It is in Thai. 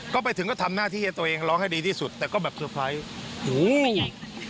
ก็ไปถึงก็ทำหน้าที่ให้ตัวเองร้องให้ดีที่สุดแต่ก็แบบเตอร์ไพรส์